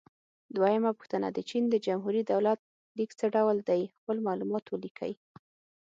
دویمه پوښتنه: د چین د جمهوري دولت لیک څه ډول دی؟ خپل معلومات ولیکئ.